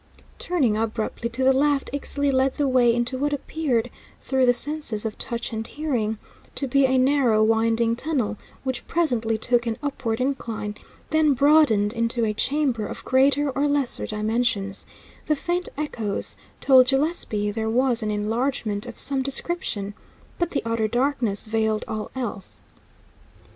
Turning abruptly to the left, Ixtli led the way into what appeared (through the senses of touch and hearing) to be a narrow, winding tunnel, which presently took an upward incline, then broadened into a chamber of greater or lesser dimensions; the faint echoes told Gillespie there was an enlargement of some description, but the utter darkness veiled all else.